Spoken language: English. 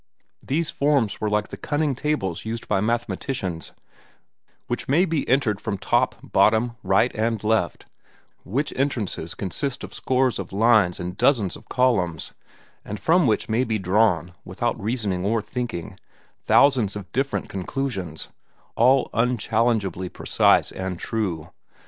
These forms were like the cunning tables used by mathematicians, which may be entered from top, bottom, right, and left, which entrances consist of scores of lines and dozens of columns, and from which may be drawn, without reasoning or thinking, thousands of different conclusions, all unchallengably precise and true.